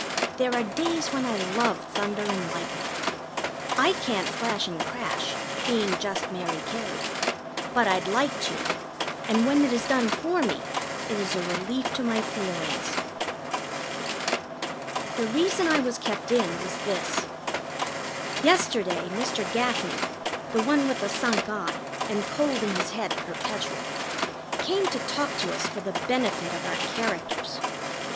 There are days when I love thunder and lightning. I can't flash and crash, being just Mary Cary; but I'd like to, and when it is done for me it is a relief to my feelings. The reason I was kept in was this. Yesterday Mr. Gaffney, the one with a sunk eye and cold in his head perpetual, came to talk to us for the benefit of our characters.